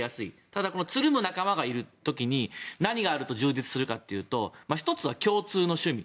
ただ、つるむ仲間がいる時に何があると充実するかというと１つは共通の趣味。